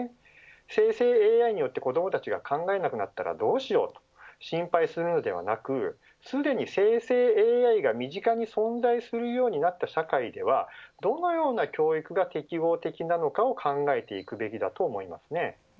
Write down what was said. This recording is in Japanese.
生成ＡＩによって子どもたちが考えらくなったらどうしよう。と心配するのではなくすでに生成ＡＩが身近に存在するようになった社会では、どのような教育が適合的なのかを考えていくべきだと思います。